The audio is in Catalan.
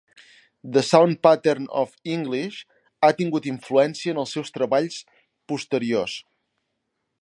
"The Sound Pattern of English" ha tingut influència en els seus treballs posteriors.